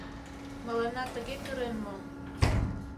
Мыланна тыге пӱрен мо?..